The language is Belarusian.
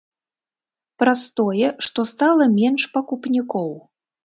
Праз тое, што стала менш пакупнікоў.